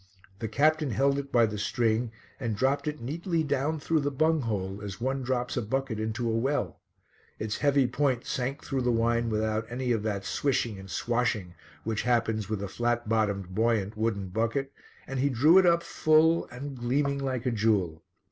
The captain held it by the string and dropped it neatly down through the bung hole, as one drops a bucket into a well; its heavy point sank through the wine without any of that swishing and swashing which happens with a flat bottomed, buoyant, wooden bucket, and he drew it up full and gleaming like a jewel.